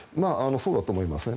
そうだと思いますね。